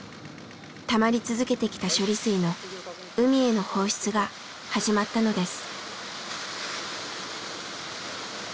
たまり続けてきた処理水の海への放出が始まったのです。